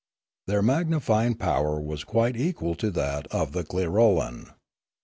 Their magnifying power was quite equal to that of the clirolan.